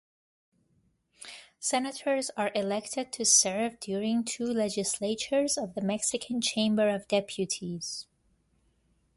Senators are elected to serve during two legislatures of the Mexican Chamber of Deputies.